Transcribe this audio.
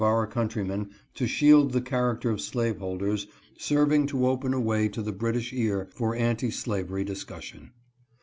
our countrymen to shield the character of slaveholders serving to open a way to the British ear for anti slavery discussion.